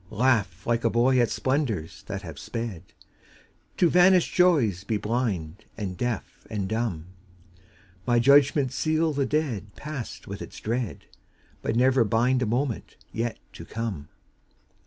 Laugh like a boy at splendors that have sped, To vanished joys be blind and deaf and dumb; My judgments seal the dead past with its dead, But never bind a moment yet to come.